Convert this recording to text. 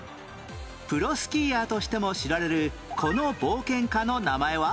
プロスキーヤーとしても知られるこの冒険家の名前は？